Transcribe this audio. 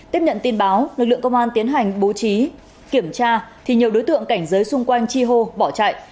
tiếp nhận tin báo lực lượng công an tiến hành bố trí kiểm tra thì nhiều đối tượng cảnh giới xung quanh chi hô bỏ chạy